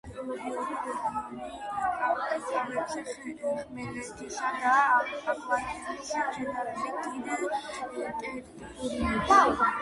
ეკოლოგიური რეგიონი იკავებს ხმელეთისა და აკვატორიის შედარებით დიდ ტერიტორიებს.